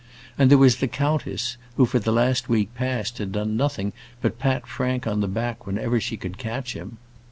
And there was the countess, who for the last week past had done nothing but pat Frank on the back whenever she could catch him.